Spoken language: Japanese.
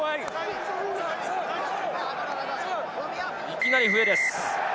いきなり笛です。